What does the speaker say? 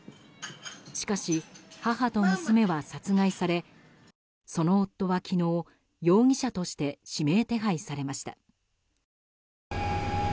しかし、母と娘は殺害されその夫は昨日、容疑者として指名手配されました。